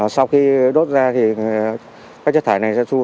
sau khi đốt ra thì các chất thải này sẽ xuống